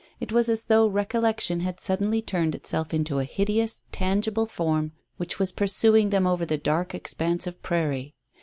It was as though recollection had suddenly turned itself into a hideous, tangible form which was pursuing them over the dark expanse of prairie.